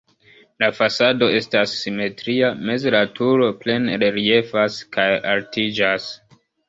La fasado estas simetria, meze la turo plene reliefas kaj altiĝas.